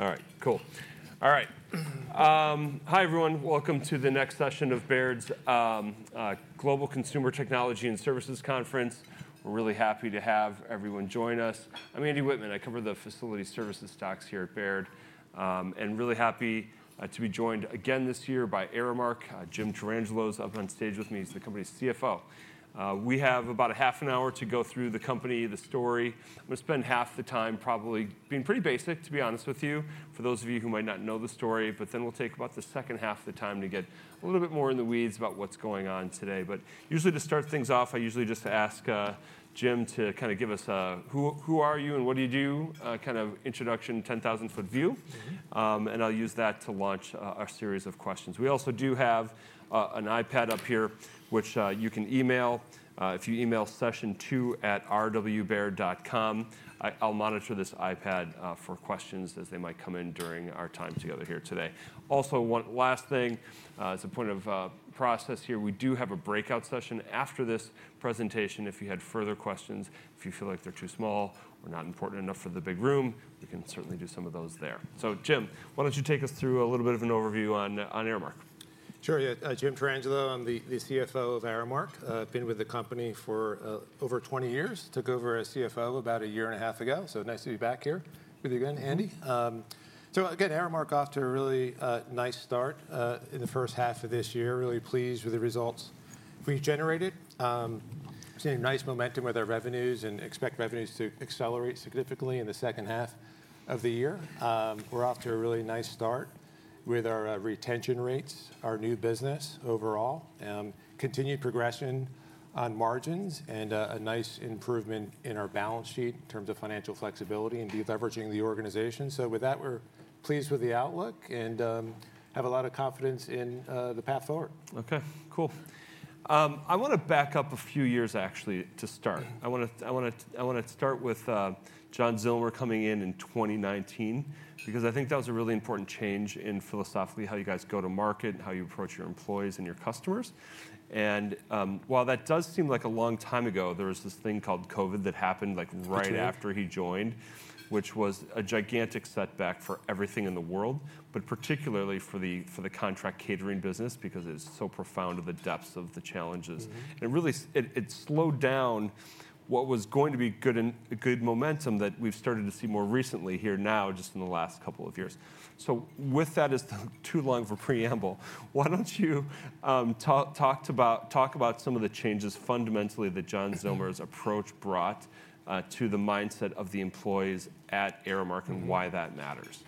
All right. Cool. All right. Hi, everyone. Welcome to the next session of Baird's Global Consumer Technology and Services Conference. We're really happy to have everyone join us. I'm Andy Wittmann. I cover the facility services stocks here at Baird. Really happy to be joined again this year by Aramark. Jim Tarangelo is up on stage with me. He's the company's CFO. We have about half an hour to go through the company, the story. I'm going to spend half the time probably being pretty basic, to be honest with you, for those of you who might not know the story. Then we'll take about the second half of the time to get a little bit more in the weeds about what's going on today. Usually, to start things off, I usually just ask Jim to kind of give us a, who are you and what do you do, kind of introduction, 10,000-foot view. I'll use that to launch our series of questions. We also do have an iPad up here, which you can email. If you email session2@rwbaird.com, I'll monitor this iPad for questions as they might come in during our time together here today. Also, one last thing as a point of process here, we do have a breakout session after this presentation. If you had further questions, if you feel like they're too small or not important enough for the big room, we can certainly do some of those there. Jim, why don't you take us through a little bit of an overview on Aramark? Sure. Jim Tarangelo, I'm the CFO of Aramark. I've been with the company for over 20 years. Took over as CFO about a year and a half ago. Nice to be back here with you again, Andy. Again, Aramark off to a really nice start in the first half of this year. Really pleased with the results we've generated. Seeing nice momentum with our revenues and expect revenues to accelerate significantly in the second half of the year. We're off to a really nice start with our retention rates, our new business overall, continued progression on margins, and a nice improvement in our balance sheet in terms of financial flexibility and deleveraging the organization. With that, we're pleased with the outlook and have a lot of confidence in the path forward. OK. Cool. I want to back up a few years, actually, to start. I want to start with John Zillmer coming in in 2019, because I think that was a really important change in philosophically how you guys go to market and how you approach your employees and your customers. While that does seem like a long time ago, there was this thing called COVID that happened right after he joined, which was a gigantic setback for everything in the world, particularly for the contract catering business, because it is so profound of the depths of the challenges. It slowed down what was going to be good momentum that we've started to see more recently here now, just in the last couple of years. With that, it's too long of a preamble. Why don't you talk about some of the changes fundamentally that John Zillmer's approach brought to the mindset of the employees at Aramark and why that matters?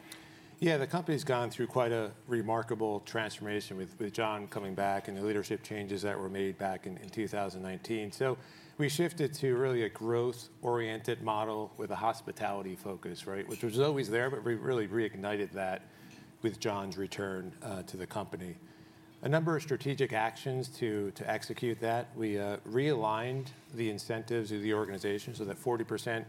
Yeah. The company's gone through quite a remarkable transformation with John coming back and the leadership changes that were made back in 2019. We shifted to really a growth-oriented model with a hospitality focus, which was always there, but we really reignited that with John's return to the company. A number of strategic actions to execute that. We realigned the incentives of the organization so that 40%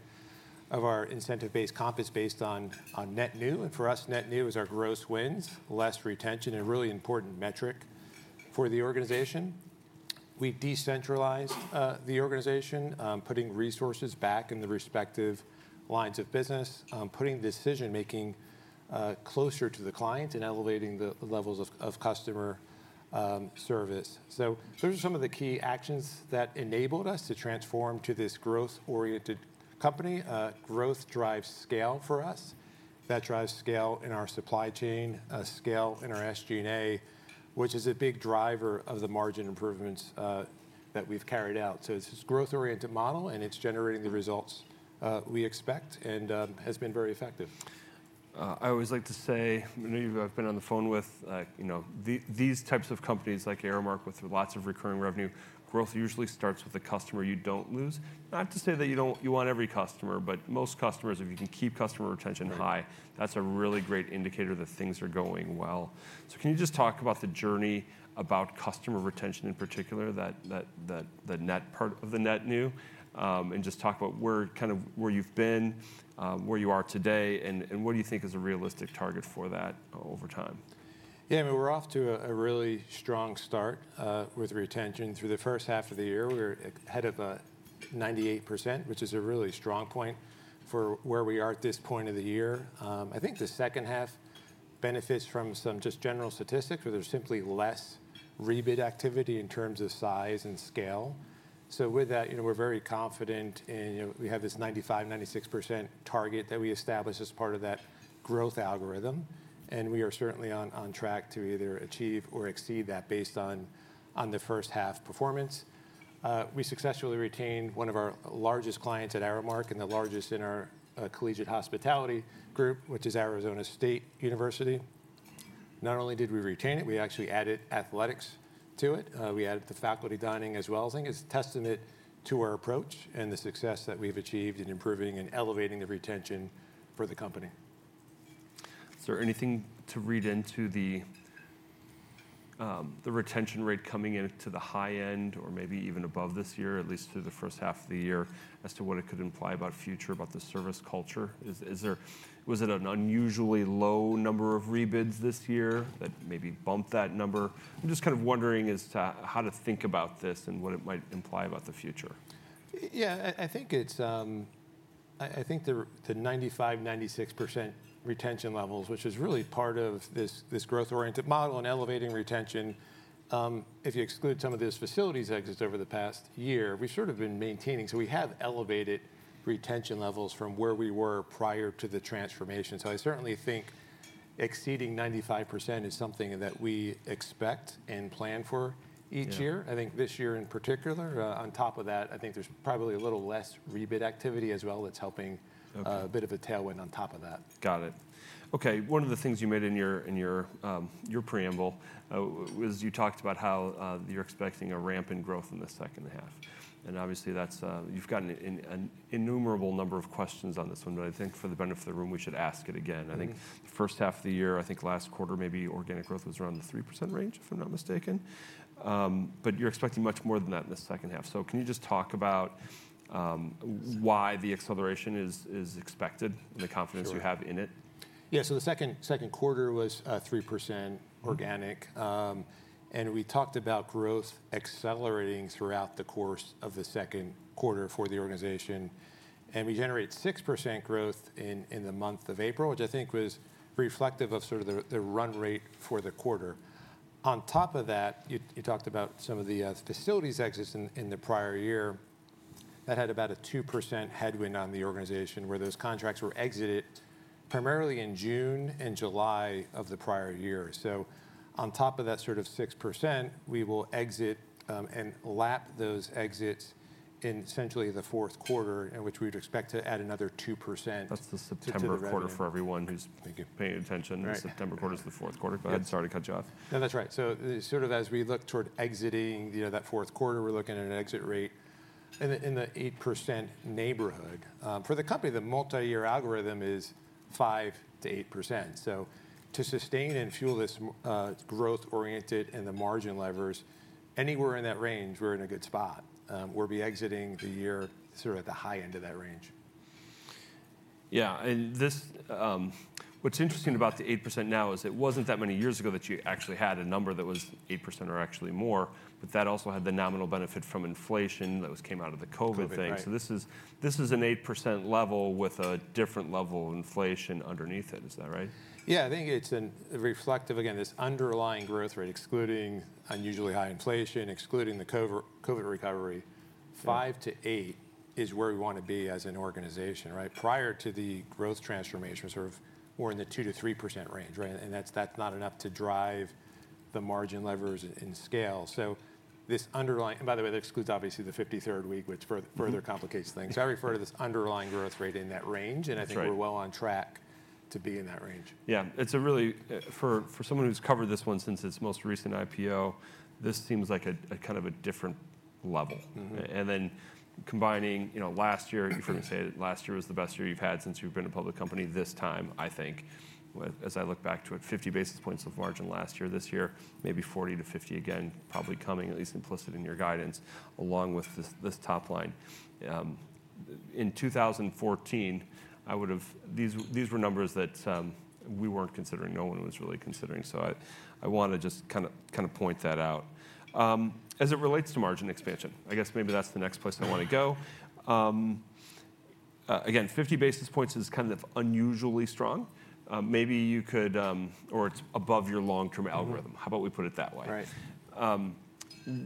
of our incentive base comp is based on net new. For us, net new is our gross wins, less retention, a really important metric for the organization. We decentralized the organization, putting resources back in the respective lines of business, putting decision-making closer to the clients, and elevating the levels of customer service. Those are some of the key actions that enabled us to transform to this growth-oriented company. Growth drives scale for us. That drives scale in our supply chain, scale in our SG&A, which is a big driver of the margin improvements that we've carried out. It is this growth-oriented model, and it's generating the results we expect and has been very effective. I always like to say, many of you I've been on the phone with, these types of companies like Aramark, with lots of recurring revenue, growth usually starts with a customer you don't lose. Not to say that you want every customer, but most customers, if you can keep customer retention high, that's a really great indicator that things are going well. Can you just talk about the journey about customer retention in particular, the net part of the net new, and just talk about kind of where you've been, where you are today, and what do you think is a realistic target for that over time? Yeah. I mean, we're off to a really strong start with retention. Through the first half of the year, we were ahead of 98%, which is a really strong point for where we are at this point of the year. I think the second half benefits from some just general statistics, where there's simply less rebid activity in terms of size and scale. With that, we're very confident in we have this 95%-96% target that we established as part of that growth algorithm. We are certainly on track to either achieve or exceed that based on the first half performance. We successfully retained one of our largest clients at Aramark and the largest in our collegiate hospitality group, which is Arizona State University. Not only did we retain it, we actually added athletics to it. We added the faculty dining as well. I think it's a testament to our approach and the success that we've achieved in improving and elevating the retention for the company. Is there anything to read into the retention rate coming into the high end, or maybe even above this year, at least through the first half of the year, as to what it could imply about the future, about the service culture? Was it an unusually low number of rebids this year that maybe bumped that number? I'm just kind of wondering how to think about this and what it might imply about the future. Yeah. I think the 95%-96% retention levels, which is really part of this growth-oriented model and elevating retention, if you exclude some of these facilities exits over the past year, we've sort of been maintaining. So we have elevated retention levels from where we were prior to the transformation. I certainly think exceeding 95% is something that we expect and plan for each year. I think this year in particular. On top of that, I think there's probably a little less rebid activity as well that's helping a bit of a tailwind on top of that. Got it. OK. One of the things you made in your preamble was you talked about how you're expecting a ramp in growth in the second half. Obviously, you've gotten an innumerable number of questions on this one. I think for the benefit of the room, we should ask it again. I think the first half of the year, I think last quarter, maybe organic growth was around the 3% range, if I'm not mistaken. You're expecting much more than that in the second half. Can you just talk about why the acceleration is expected and the confidence you have in it? Yeah. The second quarter was 3% organic. We talked about growth accelerating throughout the course of the second quarter for the organization. We generated 6% growth in the month of April, which I think was reflective of sort of the run rate for the quarter. On top of that, you talked about some of the facilities exits in the prior year. That had about a 2% headwind on the organization, where those contracts were exited primarily in June and July of the prior year. On top of that sort of 6%, we will exit and lap those exits in essentially the fourth quarter, in which we would expect to add another 2%. That's the September quarter for everyone who's paying attention. September quarter is the fourth quarter. Go ahead. Sorry to cut you off. No, that's right. Sort of as we look toward exiting that fourth quarter, we're looking at an exit rate in the 8% neighborhood. For the company, the multi-year algorithm is 5%-8%. To sustain and fuel this growth-oriented and the margin levers, anywhere in that range, we're in a good spot. We'll be exiting the year sort of at the high end of that range. Yeah. What's interesting about the 8% now is it was not that many years ago that you actually had a number that was 8% or actually more, but that also had the nominal benefit from inflation that came out of the COVID thing. This is an 8% level with a different level of inflation underneath it. Is that right? Yeah. I think it's reflective, again, this underlying growth rate, excluding unusually high inflation, excluding the COVID recovery. 5%-8% is where we want to be as an organization. Prior to the growth transformation, we were in the 2%-3% range. That is not enough to drive the margin levers and scale. This underlying, and by the way, that excludes obviously the 53rd week, which further complicates things. I refer to this underlying growth rate in that range. I think we are well on track to be in that range. Yeah. For someone who's covered this one since its most recent IPO, this seems like a kind of a different level. And then combining last year, you're going to say last year was the best year you've had since you've been a public company. This time, I think, as I look back to it, 50 basis points of margin last year. This year, maybe 40-50 basis points again, probably coming, at least implicit in your guidance, along with this top line. In 2014, these were numbers that we weren't considering. No one was really considering. I want to just kind of point that out. As it relates to margin expansion, I guess maybe that's the next place I want to go. Again, 50 basis points is kind of unusually strong. Maybe you could or it's above your long-term algorithm. How about we put it that way? Right.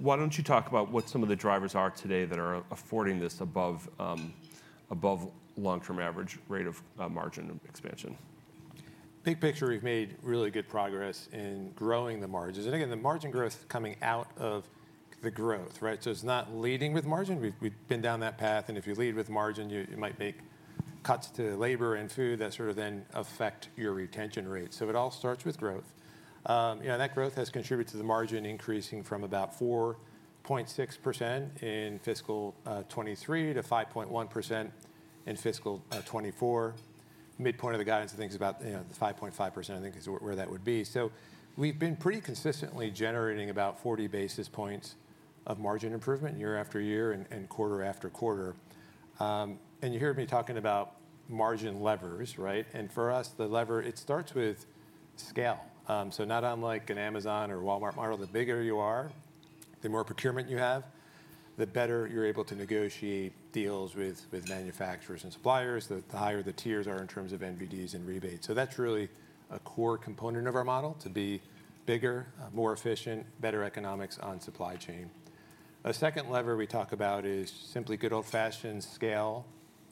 Why don't you talk about what some of the drivers are today that are affording this above long-term average rate of margin expansion? Big picture, we've made really good progress in growing the margins. Again, the margin growth coming out of the growth. It's not leading with margin. We've been down that path. If you lead with margin, you might make cuts to labor and food that sort of then affect your retention rate. It all starts with growth. That growth has contributed to the margin increasing from about 4.6% in fiscal 2023 to 5.1% in fiscal 2024. Midpoint of the guidance, I think, is about 5.5%, I think, is where that would be. We've been pretty consistently generating about 40 basis points of margin improvement year after year and quarter after quarter. You hear me talking about margin levers. For us, the lever, it starts with scale. Not unlike an Amazon or Walmart model, the bigger you are, the more procurement you have, the better you're able to negotiate deals with manufacturers and suppliers, the higher the tiers are in terms of NVDs and rebates. That's really a core component of our model to be bigger, more efficient, better economics on supply chain. A second lever we talk about is simply good old-fashioned scale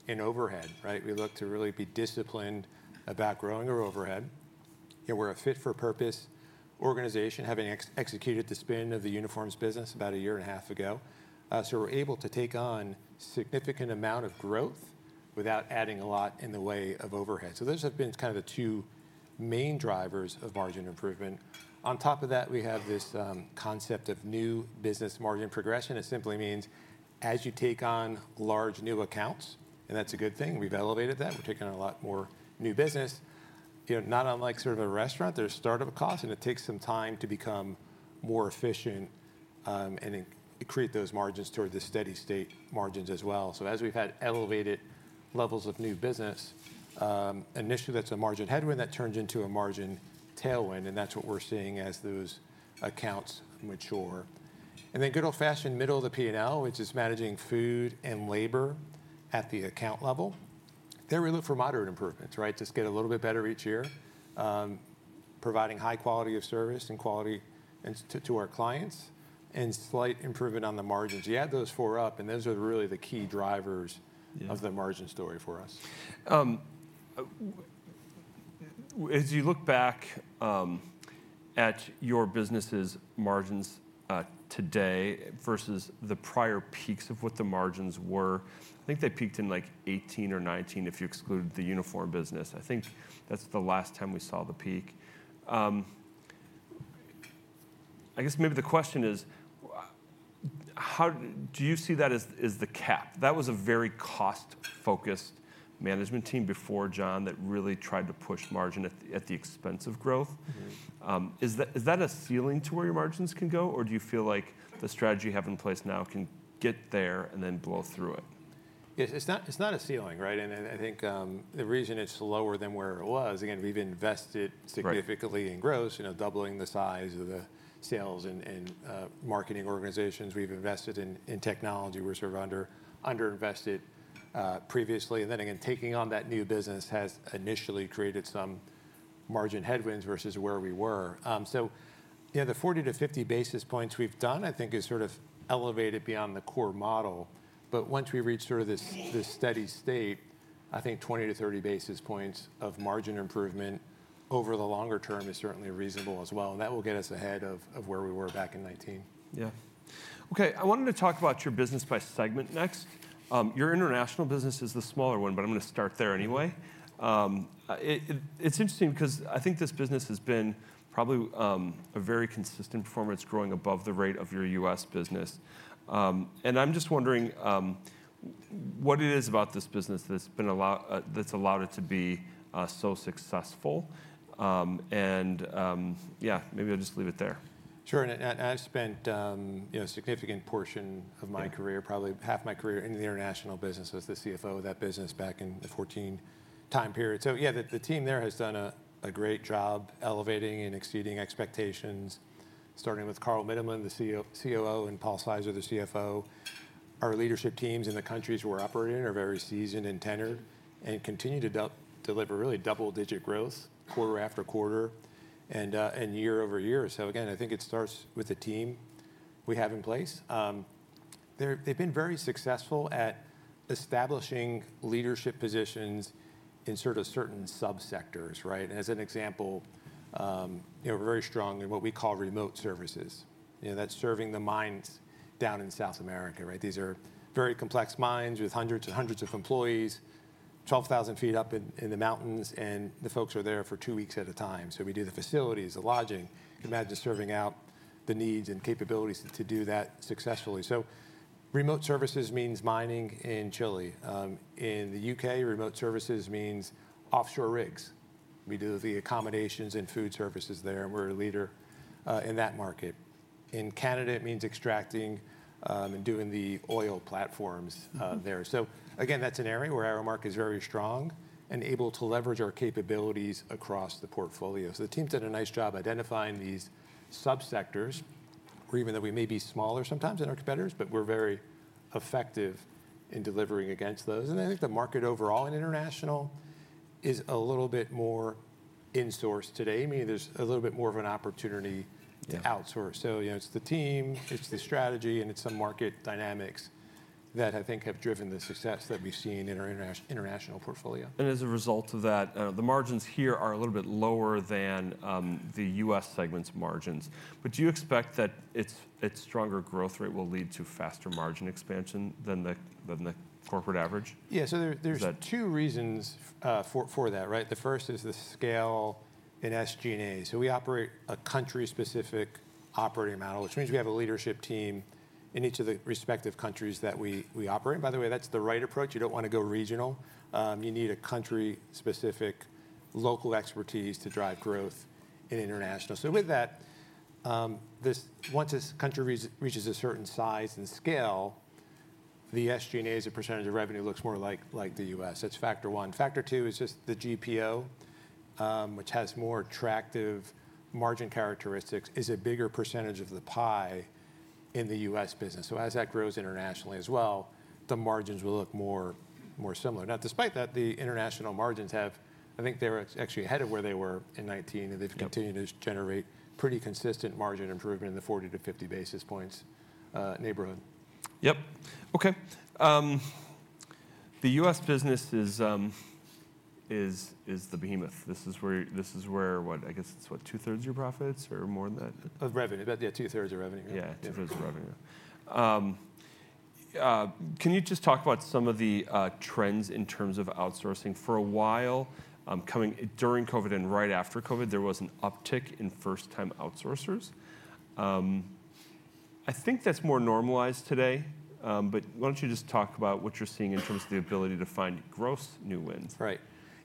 and overhead. We look to really be disciplined about growing our overhead. We're a fit-for-purpose organization, having executed the spin of the uniforms business about a year and a half ago. We're able to take on a significant amount of growth without adding a lot in the way of overhead. Those have been kind of the two main drivers of margin improvement. On top of that, we have this concept of new business margin progression. It simply means as you take on large new accounts, and that's a good thing. We've elevated that. We're taking on a lot more new business. Not unlike sort of a restaurant, there's start of a cost, and it takes some time to become more efficient and create those margins toward the steady state margins as well. As we've had elevated levels of new business, initially, that's a margin headwind that turns into a margin tailwind. That's what we're seeing as those accounts mature. Then good old-fashioned middle of the P&L, which is managing food and labor at the account level. There we look for moderate improvements, just get a little bit better each year, providing high quality of service and quality to our clients, and slight improvement on the margins. You add those four up, and those are really the key drivers of the margin story for us. As you look back at your business's margins today versus the prior peaks of what the margins were, I think they peaked in 2018 or 2019 if you excluded the uniform business. I think that is the last time we saw the peak. I guess maybe the question is, do you see that as the cap? That was a very cost-focused management team before, John, that really tried to push margin at the expense of growth. Is that a ceiling to where your margins can go? Or do you feel like the strategy you have in place now can get there and then blow through it? It's not a ceiling. I think the reason it's lower than where it was, again, we've invested significantly in growth, doubling the size of the sales and marketing organizations. We've invested in technology. We were sort of underinvested previously. Then again, taking on that new business has initially created some margin headwinds versus where we were. The 40%-50% basis points we've done, I think, is sort of elevated beyond the core model. Once we reach sort of this steady state, I think 20%-30% basis points of margin improvement over the longer term is certainly reasonable as well. That will get us ahead of where we were back in 2019. Yeah. OK. I wanted to talk about your business by segment next. Your international business is the smaller one, but I'm going to start there anyway. It's interesting because I think this business has been probably a very consistent performance, growing above the rate of your U.S. business. I'm just wondering what it is about this business that's allowed it to be so successful. Yeah, maybe I'll just leave it there. Sure. I've spent a significant portion of my career, probably half my career in the international business as the CFO of that business back in the 2014 time period. The team there has done a great job elevating and exceeding expectations, starting with Carl Mittleman, the COO, and Paul Sizer, the CFO. Our leadership teams in the countries where we're operating are very seasoned and tenured and continue to deliver really double-digit growth quarter-after-quarter and year-over-year. I think it starts with the team we have in place. They've been very successful at establishing leadership positions in sort of certain subsectors. As an example, we're very strong in what we call remote services. That's serving the mines down in South America. These are very complex mines with hundreds and hundreds of employees, 12,000 feet up in the mountains. The folks are there for two weeks at a time. We do the facilities, the lodging. Imagine serving out the needs and capabilities to do that successfully. Remote services means mining in Chile. In the U.K., remote services means offshore rigs. We do the accommodations and food services there. We are a leader in that market. In Canada, it means extracting and doing the oil platforms there. That is an area where Aramark is very strong and able to leverage our capabilities across the portfolio. The team's done a nice job identifying these subsectors, or even though we may be smaller sometimes than our competitors, we are very effective in delivering against those. I think the market overall in international is a little bit more insourced today, meaning there is a little bit more of an opportunity to outsource. It is the team, it is the strategy, and it is some market dynamics that I think have driven the success that we have seen in our international portfolio. As a result of that, the margins here are a little bit lower than the U.S. segment's margins. Do you expect that its stronger growth rate will lead to faster margin expansion than the corporate average? Yeah. So there are two reasons for that. The first is the scale in SG&A. We operate a country-specific operating model, which means we have a leadership team in each of the respective countries that we operate. By the way, that's the right approach. You do not want to go regional. You need a country-specific local expertise to drive growth in international. With that, once this country reaches a certain size and scale, the SG&A as a percentage of revenue looks more like the U.S. That is factor one. Factor two is just the GPO, which has more attractive margin characteristics, is a bigger percentage of the pie in the U.S. business. As that grows internationally as well, the margins will look more similar. Now, despite that, the international margins have, I think they were actually ahead of where they were in 2019. They've continued to generate pretty consistent margin improvement in the 40-50 basis points neighborhood. Yep. OK. The U.S. business is the behemoth. This is where, I guess, it's what, two-thirds of your profits or more than that? Of revenue. About two-thirds of revenue. Yeah, two-thirds of revenue. Can you just talk about some of the trends in terms of outsourcing? For a while, during COVID and right after COVID, there was an uptick in first-time outsourcers. I think that's more normalized today. Why don't you just talk about what you're seeing in terms of the ability to find gross new wins?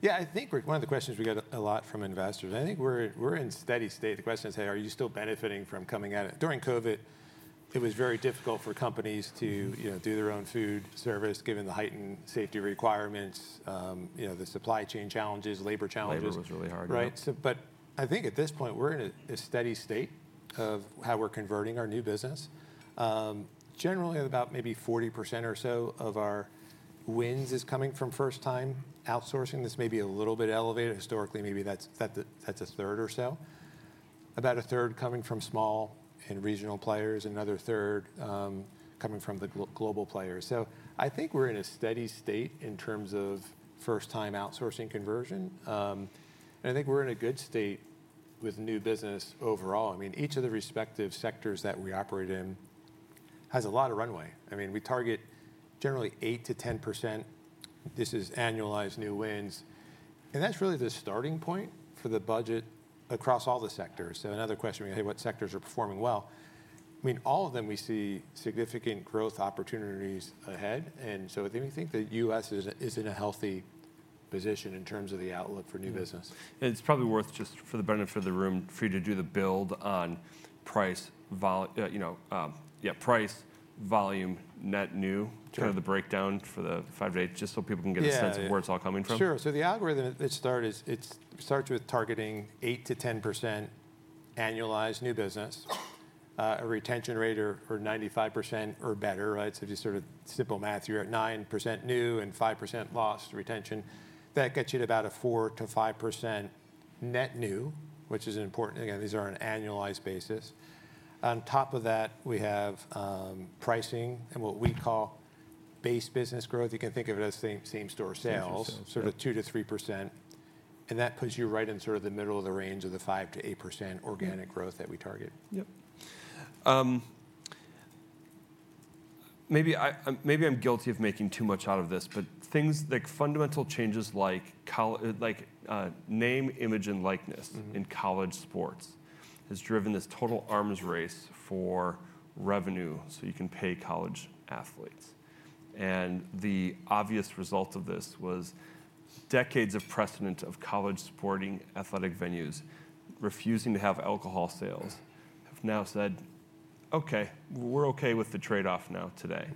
Right. Yeah. I think one of the questions we get a lot from investors, I think we're in steady state. The question is, hey, are you still benefiting from coming at it? During COVID, it was very difficult for companies to do their own food service, given the heightened safety requirements, the supply chain challenges, labor challenges. Labor was really hard. Right. I think at this point, we're in a steady state of how we're converting our new business. Generally, about maybe 40% or so of our wins is coming from first-time outsourcing. That's maybe a little bit elevated. Historically, maybe that's a third or so. About a third coming from small and regional players, another third coming from the global players. I think we're in a steady state in terms of first-time outsourcing conversion. I think we're in a good state with new business overall. I mean, each of the respective sectors that we operate in has a lot of runway. I mean, we target generally 8%-10%. This is annualized new wins. That's really the starting point for the budget across all the sectors. Another question, hey, what sectors are performing well? I mean, all of them, we see significant growth opportunities ahead. We think the U.S. is in a healthy position in terms of the outlook for new business. It is probably worth just for the benefit of the room for you to do the build on price, yeah, price, volume, net new, kind of the breakdown for the five to eight, just so people can get a sense of where it is all coming from. Sure. The algorithm that starts, it starts with targeting 8%-10% annualized new business, a retention rate of 95% or better. Just sort of simple math, you are at 9% new and 5% lost retention. That gets you to about a 4%-5% net new, which is an important thing. These are on an annualized basis. On top of that, we have pricing and what we call base business growth. You can think of it as same-store sales, sort of 2%-3%. That puts you right in the middle of the range of the 5%-8% organic growth that we target. Yep. Maybe I'm guilty of making too much out of this, but things like fundamental changes like name, image, and likeness in college sports has driven this total arms race for revenue so you can pay college athletes. The obvious result of this was decades of precedent of college sporting athletic venues refusing to have alcohol sales have now said, OK, we're OK with the trade-off now today.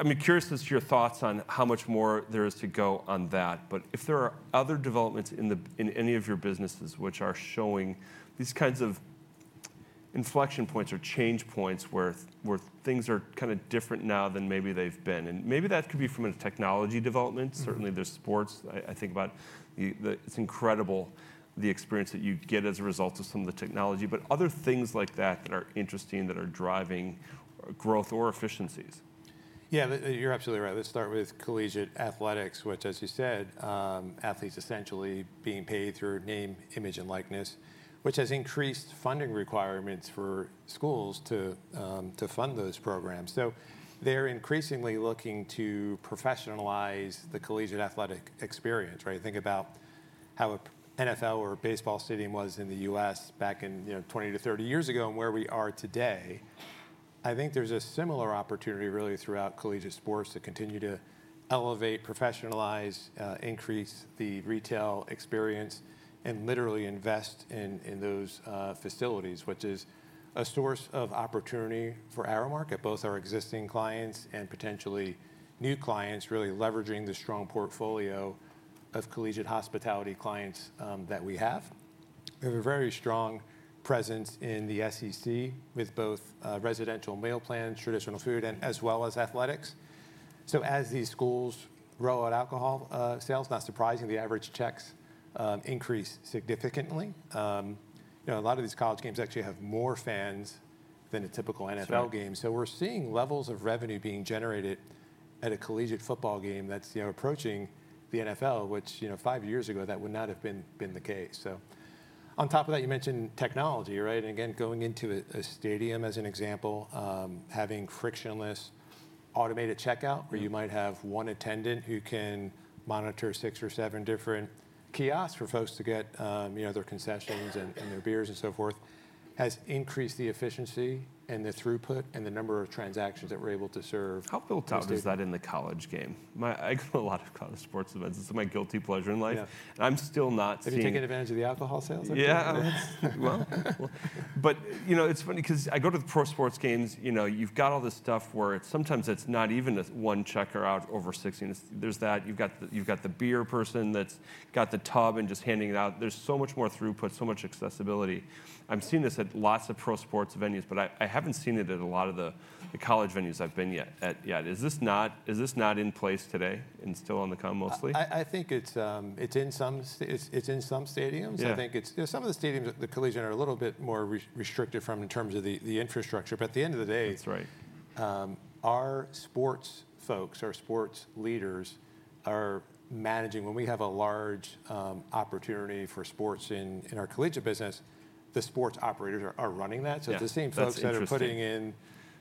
I'm curious as to your thoughts on how much more there is to go on that. If there are other developments in any of your businesses which are showing these kinds of inflection points or change points where things are kind of different now than maybe they've been. Maybe that could be from a technology development. Certainly, there's sports. I think about it's incredible the experience that you get as a result of some of the technology. Other things like that that are interesting, that are driving growth or efficiencies. Yeah. You're absolutely right. Let's start with collegiate athletics, which, as you said, athletes essentially being paid through name, image, and likeness, which has increased funding requirements for schools to fund those programs. They are increasingly looking to professionalize the collegiate athletic experience. Think about how an NFL or baseball stadium was in the U.S. back in 20 to 30 years ago and where we are today. I think there's a similar opportunity really throughout collegiate sports to continue to elevate, professionalize, increase the retail experience, and literally invest in those facilities, which is a source of opportunity for Aramark, both our existing clients and potentially new clients, really leveraging the strong portfolio of collegiate hospitality clients that we have. We have a very strong presence in the SEC with both residential meal plans, traditional food, and as well as athletics. As these schools roll out alcohol sales, not surprising, the average checks increase significantly. A lot of these college games actually have more fans than a typical NFL game. We are seeing levels of revenue being generated at a collegiate football game that is approaching the NFL, which five years ago, that would not have been the case. On top of that, you mentioned technology. Again, going into a stadium as an example, having frictionless automated checkout, where you might have one attendant who can monitor six or seven different kiosks for folks to get their concessions and their beers and so forth, has increased the efficiency and the throughput and the number of transactions that we are able to serve. How built out is that in the college game? I go to a lot of college sports events. It's my guilty pleasure in life. I'm still not seeing. Are you taking advantage of the alcohol sales? Yeah. It's funny because I go to the pro sports games. You've got all this stuff where sometimes it's not even one checker out over 16. There's that. You've got the beer person that's got the tub and just handing it out. There's so much more throughput, so much accessibility. I'm seeing this at lots of pro sports venues, but I haven't seen it at a lot of the college venues I've been yet. Is this not in place today and still on the come mostly? I think it's in some stadiums. I think some of the stadiums that the collegiate are a little bit more restricted from in terms of the infrastructure. At the end of the day. That's right. Our sports folks, our sports leaders are managing. When we have a large opportunity for sports in our collegiate business, the sports operators are running that. It is the same folks that are putting in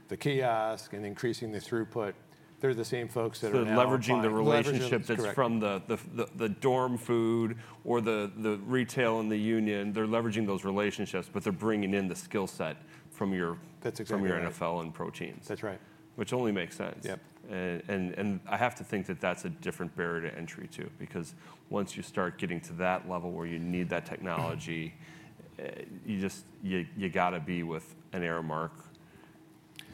the kiosk and increasing the throughput. They are the same folks that are managing. Leveraging the relationship that's from the dorm food or the retail and the union, they're leveraging those relationships, but they're bringing in the skill set from your NFL and proteins. That's right. Which only makes sense. I have to think that that's a different barrier to entry too, because once you start getting to that level where you need that technology, you just, you got to be with an Aramark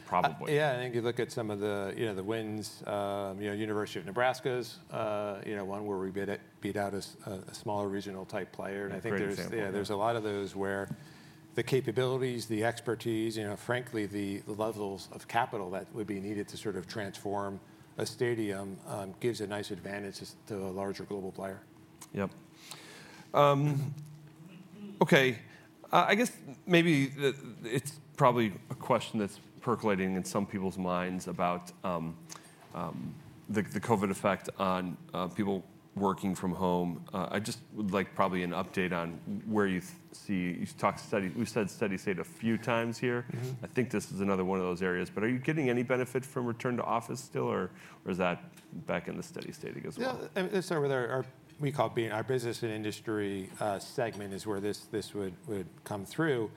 probably. Yeah. If you look at some of the wins, University of Nebraska's one where we beat out a smaller regional type player. That's right. I think there's a lot of those where the capabilities, the expertise, frankly, the levels of capital that would be needed to sort of transform a stadium gives a nice advantage to a larger global player. Yep. OK. I guess maybe it's probably a question that's percolating in some people's minds about the COVID effect on people working from home. I just would like probably an update on where you see you've talked steady. We've said steady state a few times here. I think this is another one of those areas. Are you getting any benefit from return to office still, or is that back in the steady state again? Yeah. Let's start with our, we call our business and industry segment is where this would come through.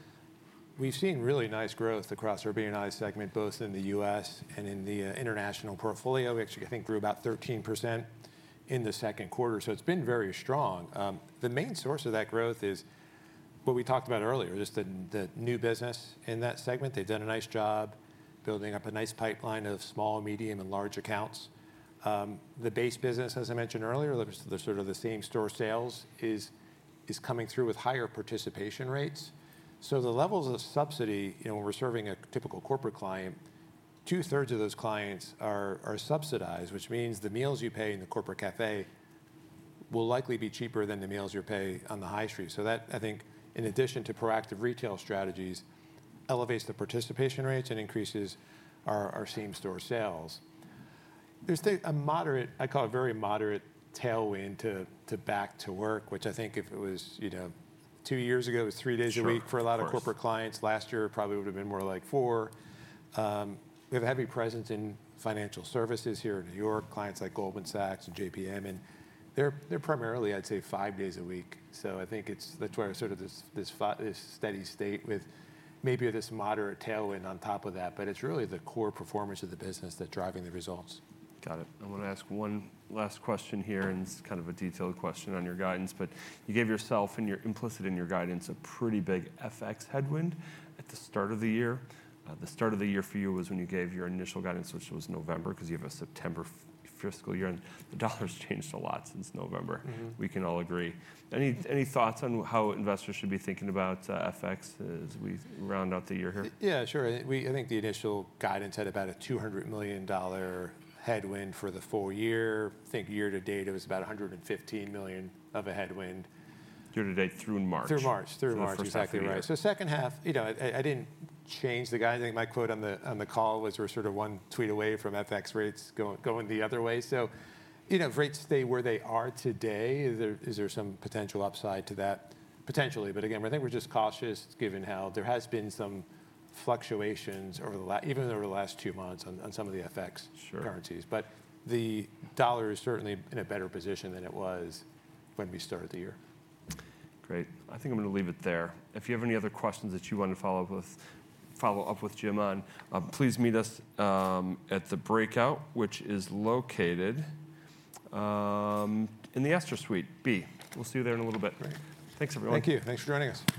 We've seen really nice growth across our BNI segment, both in the U.S. and in the international portfolio. We actually, I think, grew about 13% in the second quarter. It has been very strong. The main source of that growth is what we talked about earlier, just the new business in that segment. They've done a nice job building up a nice pipeline of small, medium, and large accounts. The base business, as I mentioned earlier, sort of the same store sales is coming through with higher participation rates. The levels of subsidy, when we're serving a typical corporate client, two-thirds of those clients are subsidized, which means the meals you pay in the corporate cafe will likely be cheaper than the meals you pay on the high street. That, I think, in addition to proactive retail strategies, elevates the participation rates and increases our same-store sales. There's a moderate, I call it very moderate tailwind to back to work, which I think if it was two years ago, it was three days a week for a lot of corporate clients. Last year, it probably would have been more like four. We have a heavy presence in financial services here in New York, clients like Goldman Sachs and JPMorgan, and they're primarily, I'd say, five days a week. I think that's why sort of this steady state with maybe this moderate tailwind on top of that. It's really the core performance of the business that's driving the results. Got it. I want to ask one last question here, and it's kind of a detailed question on your guidance. You gave yourself and you're implicit in your guidance a pretty big FX headwind at the start of the year. The start of the year for you was when you gave your initial guidance, which was November, because you have a September fiscal year. The dollar has changed a lot since November. We can all agree. Any thoughts on how investors should be thinking about FX as we round out the year here? Yeah, sure. I think the initial guidance had about a $200 million headwind for the full year. I think year to date, it was about $115 million of a headwind. Year to date through March. Through March, exactly right. Second half, I did not change the guidance. I think my quote on the call was we are sort of one tweet away from FX rates going the other way. If rates stay where they are today, is there some potential upside to that? Potentially. Again, I think we are just cautious given how there has been some fluctuations over the last, even over the last two months on some of the FX currencies. The dollar is certainly in a better position than it was when we started the year. Great. I think I'm going to leave it there. If you have any other questions that you want to follow up with Jim on, please meet us at the breakout, which is located in the Astra Suite B. We'll see you there in a little bit. Great. Thanks, everyone. Thank you. Thanks for joining us.